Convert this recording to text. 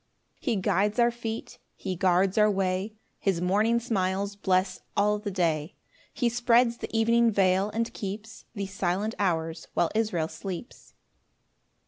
3 He guides our feet, he guards our way; His morning smiles bless all the day; He spreads the evening veil, and keeps The silent hours while Israel sleeps.